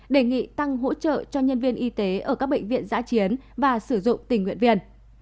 đề nghị tăng hỗ trợ cho nhân viên y tế ở các bệnh viện giã chiến và sử dụng tình nguyện viên